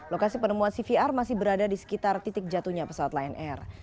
lokasi penemuan cvr masih berada di sekitar titik jatuhnya pesawat lion air